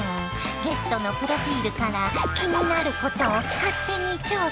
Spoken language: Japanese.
ゲストのプロフィールから気になることを勝手に調査！